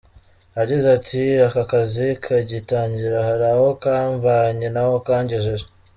Yagize ati “Aka kazi kagitangira hari aho kmamvanye naho kangejeje.